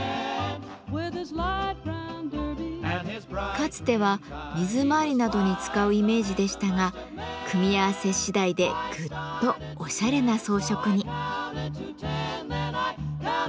かつては水回りなどに使うイメージでしたが組み合わせ次第でぐっとおしゃれな装飾に。